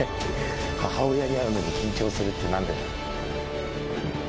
母親に会うのに緊張するって、なんでかな。